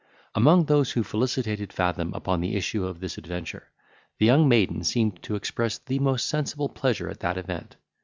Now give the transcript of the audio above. Among those who felicitated Fathom upon the issue of this adventure, the young maiden seemed to express the most sensible pleasure at that event.